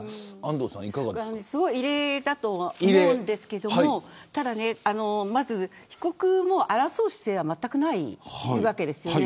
すごく異例だと思うんですけど被告も争う姿勢はまったくないわけですよね。